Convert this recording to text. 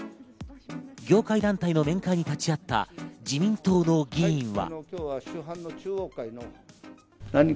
業界団体の面会に立ち会った自民党の議員は。